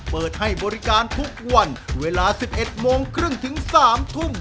เปิดให้บริการทุกวันเวลาสิบเอ็ดโมงครึ่งถึงสามทุ่ม